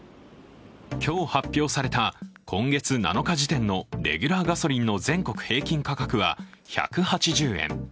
今日発表された、今月７日時点のレギュラーガソリンの全国平均価格は１８０円。